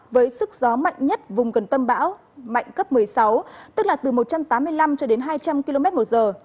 với sức gió mạnh nhất vùng gần tâm bão mạnh cấp một mươi sáu tức là từ một trăm tám mươi năm cho đến hai trăm linh km một giờ